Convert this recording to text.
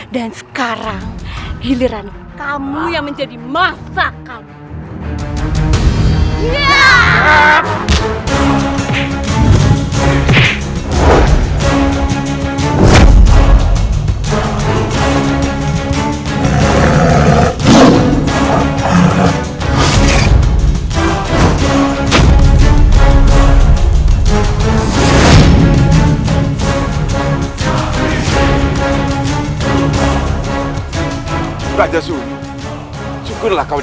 dosa orang manusia tidak berguna